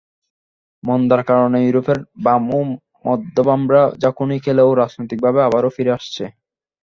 মন্দার কারণে ইউরোপের বাম ও মধ্যবামরা ঝাঁকুনি খেলেও রাজনৈতিকভাবে আবারও ফিরে আসছে।